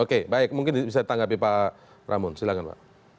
oke baik mungkin bisa ditanggapi pak pramun silahkan pak